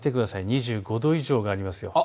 ２５度以上があります。